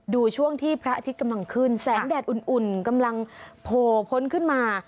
ช่วงที่พระอาทิตย์กำลังขึ้นแสงแดดอุ่นกำลังโผล่พ้นขึ้นมา